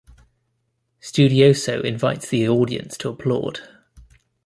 Studioso invites the audience to applaud.